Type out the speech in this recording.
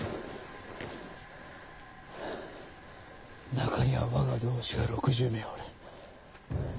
中には我が同志が６０名おる。